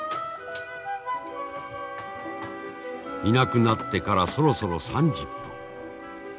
いなくなってからそろそろ３０分。